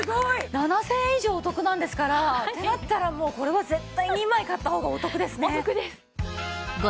７０００円以上お得なんですからってなったらこれは絶対２枚買った方がお得ですね。